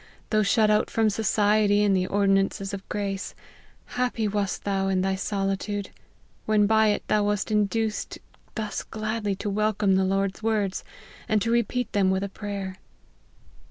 though shut out from society and the ordi nances of grace : happy wast thou in thy solitude, when by it thou wast induced thus gladly to wel come the Lord's words, and repeat them with a prayer.